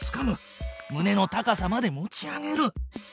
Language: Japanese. むねの高さまで持ち上げる。